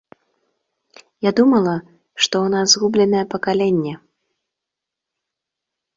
Я думала, што ў нас згубленае пакаленне.